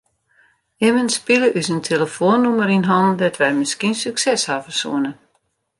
Immen spile ús in telefoannûmer yn hannen dêr't wy miskien sukses hawwe soene.